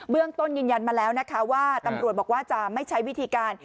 ต้นยืนยันมาแล้วนะคะว่าตำรวจบอกว่าจะไม่ใช้วิธีการ